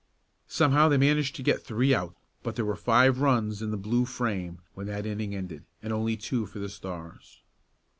Somehow they managed to get three out, but there were five runs in the Blue frame when that inning ended, and only two for the Stars.